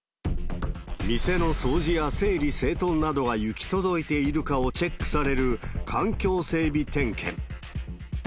店の掃除や整理整頓などが行き届いているかをチェックされる、環境整備点検。